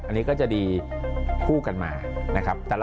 อันนี้ก็จะดีคู่กันมานะครับ